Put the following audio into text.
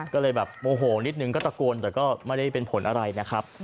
ก็เลยแบบโมโหนิดนึงก็ตะโกนแต่ก็ไม่ได้เป็นผลอะไรนะครับ